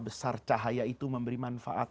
besar cahaya itu memberi manfaat